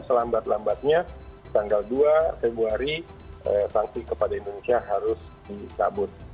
selambat lambatnya tanggal dua februari sanksi kepada indonesia harus dicabut